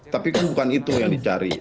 tapi kan bukan itu yang dicari